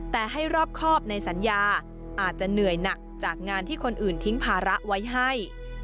แต่ให้รอบครอบในสัญญาอาจจะเหนื่อยหนักจากงานที่คนอื่นทิ้งภาระไว้ให้